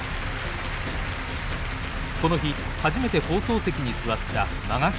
この日初めて放送席に座った間垣親方